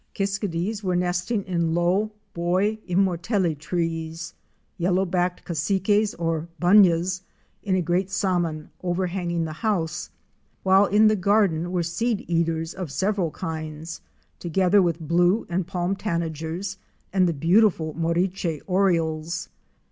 Kiskadees were nesting in low Bois Immortelle trees, Yellow backed Cassiques or Bunyahs, in a great saman overhanging the house; while in the garden were Seed caters of several kinds, together with Blue and Palm Tanagers and the beautiful Moriche Orioles.